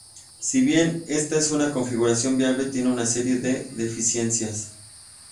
Si bien esta es una configuración viable, tiene una serie de deficiencias.